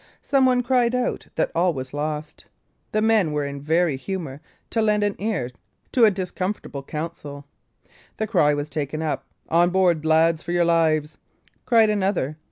Someone cried out that all was lost; the men were in the very humour to lend an ear to a discomfortable counsel; the cry was taken up. "On board, lads, for your lives!" cried another.